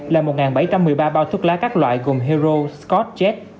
là một bảy trăm một mươi ba báo thuốc lá các loại gồm hero scott jet